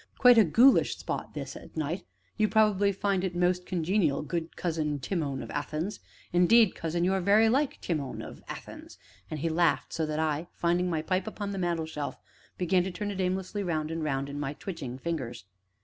Quite a ghoulish spot this, at night you probably find it most congenial, good cousin Timon of Athens indeed, cousin, you are very like Timon of Athens " And he laughed so that I, finding my pipe upon the mantelshelf, began to turn it aimlessly round and round in my twitching fingers.